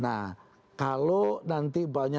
nah kalau nanti bukannya